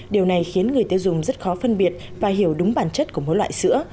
điều này khiến người tiêu dùng rất khó phân biệt và hiểu đúng bản chất của mỗi loại sữa